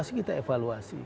kita awasi kita evaluasi